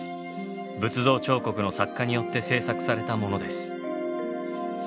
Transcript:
仏像彫刻の作家によって製作されたものです。